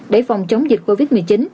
để phòng chống dịch covid một mươi chín